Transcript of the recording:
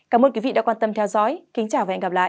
cảm ơn quý vị đã quan tâm theo dõi kính chào và hẹn gặp lại